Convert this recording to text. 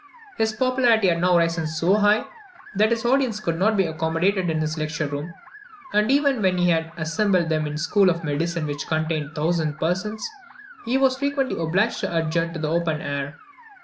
His popularity had now risen so high, that his audience could not be accommodated in his lecture room; and even when he had assembled them in the school of medicine, which contained 1000 persons, he was frequently obliged to adjourn to the open air.